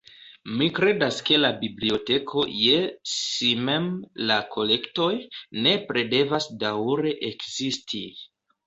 Mi kredas ke la biblioteko je si mem, la kolektoj, nepre devas daŭre ekzisti.